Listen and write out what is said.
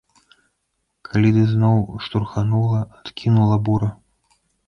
Калі ды зноў штурханула, адкінула бура?